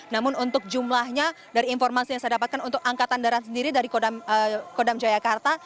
namun untuk jumlahnya dari informasi yang saya dapatkan untuk angkatan darat sendiri dari kodam jayakarta